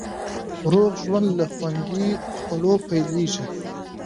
روغ ژوند له خوندي خوړو پیلېږي.